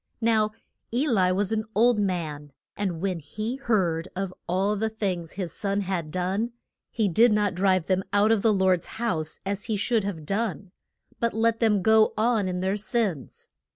Now E li was an old man, and when he heard of all the things his sons had done, he did not drive them out of the Lord's house as he should have done, but let them go on in their sins.